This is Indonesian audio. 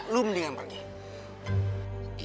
lu udah ditinggalin pergi